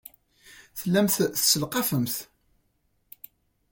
Tellamt tesselqafemt.